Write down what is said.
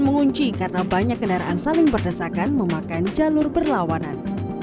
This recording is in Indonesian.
mengunci karena banyak kendaraan saling berdesakan memakan jalur berlawanan